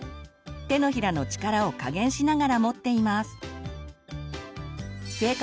手のひらの力を加減しながらもっています。